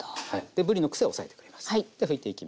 ぶりのクセをおさえてくれます。